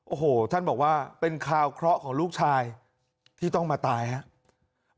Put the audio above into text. โอ้โหท่านบอกว่าเป็นข่าวเคราะห์ของลูกชายที่ต้องมาตายครับ